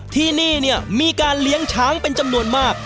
ที่นี่เนี่ยมีการเลี้ยงช้างเป็นจำนวนมาก